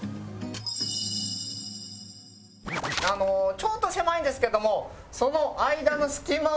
ちょっと狭いんですけどもその間の隙間を縫って。